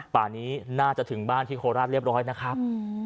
ป่านี้น่าจะถึงบ้านที่โคราชเรียบร้อยนะครับ